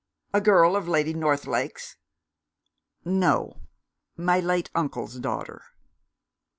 A girl of Lady Northlake's?" "No: my late uncle's daughter."